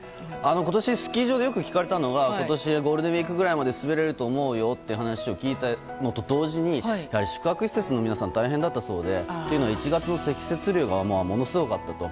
今年、スキー場でよく聞かれたのが今年はゴールデンウィークくらいまで滑れると思うよというのと同時にやはり宿泊施設の皆さん大変だったそうで。というのは１月の積雪量がものすごかったと。